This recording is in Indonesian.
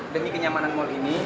demi kenyamanan mal ini